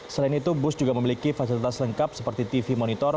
selain itu bus juga memiliki fasilitas lengkap seperti tv monitor